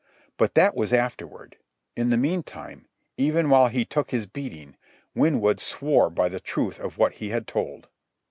But that was afterward. In the meantime, even while he took his beating, Winwood swore by the truth of what he had told.